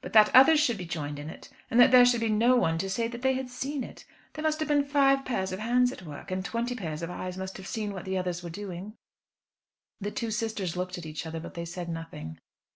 But that others should be joined in it, and that there should be no one to say that they had seen it! There must have been five pairs of hands at work, and twenty pairs of eyes must have seen what the others were doing." The two sisters looked at each other, but they said nothing.